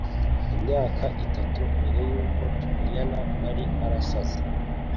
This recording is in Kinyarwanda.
Imyaka itatu mbere yuko tumenyana nari narasaze